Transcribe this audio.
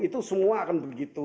itu semua akan begitu